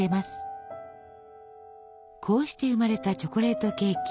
こうして生まれたチョコレートケーキ